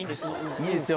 いいですよ